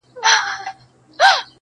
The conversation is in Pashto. ډېر پخوا د نیل پر غاړه یو قاتل وو-